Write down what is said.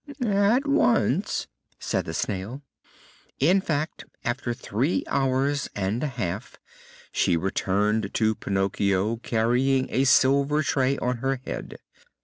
"At once," said the Snail. In fact, after three hours and a half she returned to Pinocchio carrying a silver tray on her head.